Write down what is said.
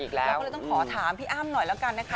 แล้วก็เลยต้องขอถามพี่อ้ำหน่อยแล้วกันนะคะ